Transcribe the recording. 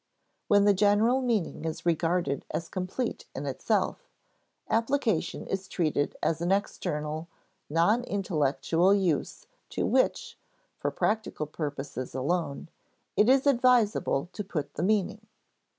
When the general meaning is regarded as complete in itself, application is treated as an external, non intellectual use to which, for practical purposes alone, it is advisable to put the meaning.